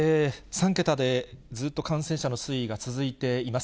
３桁でずっと感染者の推移が続いています。